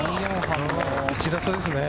１打差ですね。